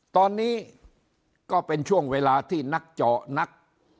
ตอนนี้ก็เป็นช่วงเวลาที่นักเจาะนัก